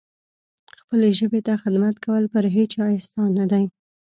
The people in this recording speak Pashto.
خپلې ژبې ته خدمت کول پر هیچا احسان نه دی.